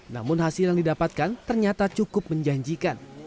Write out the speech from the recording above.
namun hasil yang didapatkan ternyata cukup menjanjikan